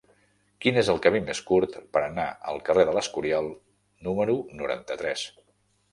Quin és el camí més curt per anar al carrer de l'Escorial número noranta-tres?